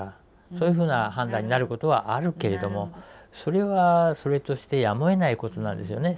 そういうふうな判断になることはあるけれどもそれはそれとしてやむをえないことなんですよね